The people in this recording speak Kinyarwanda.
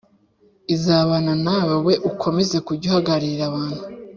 izabana nawe j Wowe ukomeze kujya uhagararira abantu